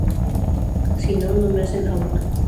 Si no, no me hacen out".